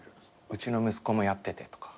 「うちの息子もやってて」とか。